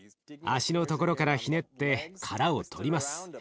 脚のところからひねって殻を取ります。